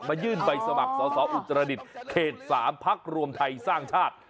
ยื่นใบสมัครสอสออุตรดิษฐ์เขต๓พักรวมไทยสร้างชาติ